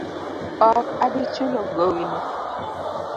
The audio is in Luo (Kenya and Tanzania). Ok abi chulo gowi no